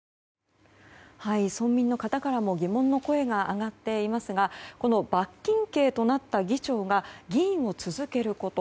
村民の方からも疑問の声が上がっていますが罰金刑となった議長が議員を続けること。